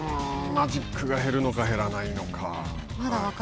マジックが減るのか減らないのか。